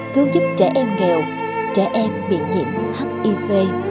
cứu giúp trẻ em nghèo trẻ em bị nhiễm hiv